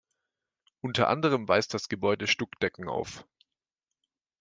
Unter anderem weist das Gebäude Stuckdecken auf.